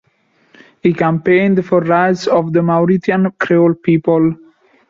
He campaigned for rights of the Mauritian Creole people.